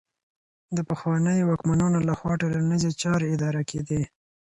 د پخوانيو واکمنانو لخوا ټولنيزې چارې اداره کيدې.